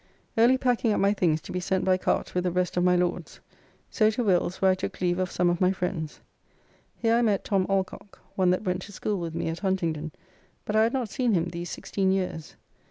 Early packing up my things to be sent by cart with the rest of my Lord's. So to Will's, where I took leave of some of my friends. Here I met Tom Alcock, one that went to school with me at Huntingdon, but I had not seen him these sixteen years.